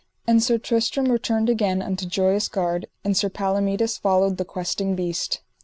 And Sir Tristram returned again unto Joyous Gard, and Sir Palomides followed the Questing Beast.